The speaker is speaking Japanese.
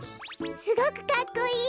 すごくかっこいい！